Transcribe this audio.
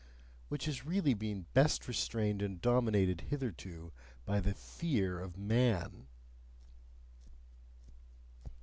which has really been best restrained and dominated hitherto by the FEAR of man.